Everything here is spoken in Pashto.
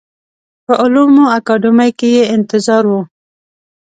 په علومو اکاډمۍ کې یې انتظار و.